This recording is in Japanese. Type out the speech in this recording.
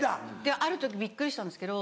ある時びっくりしたんですけど